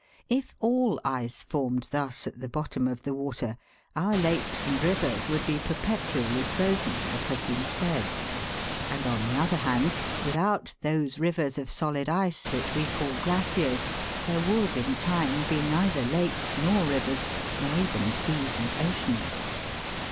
If all ice formed thus at the bottom of the water, our FORMATION OF CLOUDS. 65 lakes and rivers would be perpetually frozen, as has been said ; and on the other hand, without those rivers of solid ice, which we call glaciers, there would in time be neither lakes nor rivers, nor even seas and oceans.